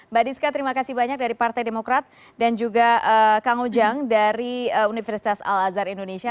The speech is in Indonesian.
mbak diska terima kasih banyak dari partai demokrat dan juga kang ujang dari universitas al azhar indonesia